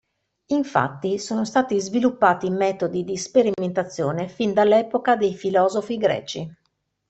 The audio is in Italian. Infatti, sono stati sviluppati metodi di sperimentazione fin dall'epoca dei filosofi greci.